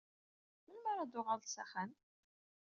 Melmi ara d-tuɣaleḍ s axxam?